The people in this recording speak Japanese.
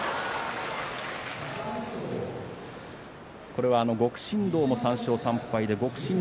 これは極芯道も３勝３敗でした。